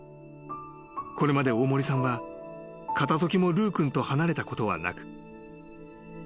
［これまで大森さんは片時もルー君と離れたことはなく］